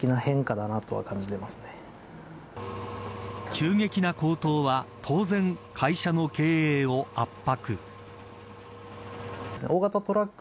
急激な高騰は当然、会社の経営を圧迫。